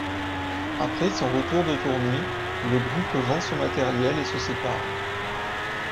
Après son retour de tournée, le groupe vend son matériel et se sépare.